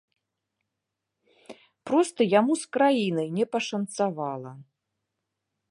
Проста яму з краінай не пашанцавала.